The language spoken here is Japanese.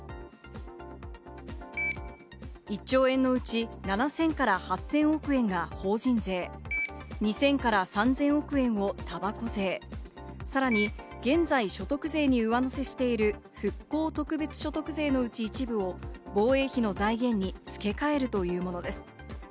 １兆円のうち７０００８０００億円が法人税、２０００３０００億円をたばこ税、さらに現在、所得税に上乗せしている復興特別所得税のうち一部を防衛費の財源に付け替えるというものです。